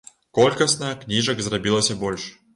Колькасна кніжак зрабілася больш.